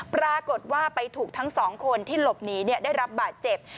ปรากฏว่าไปถูกทั้งสองคนที่หลบหนีได้รับบาดเจ็บ